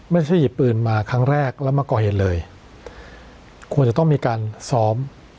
ไม่ใช่หยิบปืนมาครั้งแรกแล้วมาก่อเหตุเลยควรจะต้องมีการซ้อม